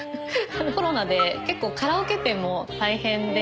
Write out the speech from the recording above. コロナで結構カラオケ店も大変で。